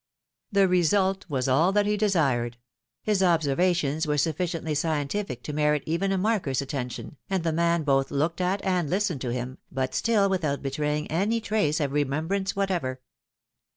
The result was all that lis desired ; his observa tions were sufficiently scientific to merit even a marker's atten tion, and the man both looked at and listened to him, but still without betraying any trace of remembrance whatever.